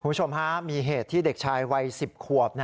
คุณผู้ชมฮะมีเหตุที่เด็กชายวัย๑๐ขวบ